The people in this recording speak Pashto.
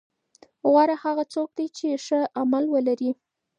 غوره هغه څوک دی چې ښه عمل ولري.